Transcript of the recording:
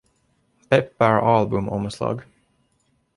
Pepper albumomslag.